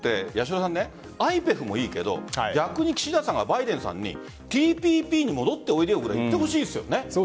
ＩＰＥＦもいいけど逆に岸田さんはバイデンさんにＴＰＰに戻っておいでよくらい言ってほしいですよね。